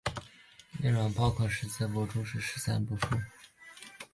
内容包括十四部注和十三部疏。